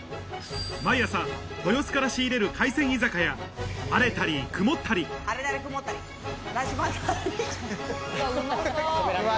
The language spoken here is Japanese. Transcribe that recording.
毎朝豊洲から仕入れる海鮮居酒屋はれたりくもったりラジバンダリ。